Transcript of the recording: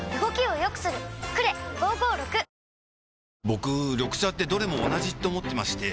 僕緑茶ってどれも同じって思ってまして